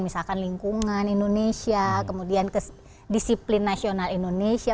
misalkan lingkungan indonesia kemudian disiplin nasional indonesia